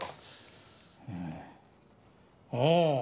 うんああ。